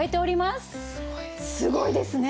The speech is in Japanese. すごいですね！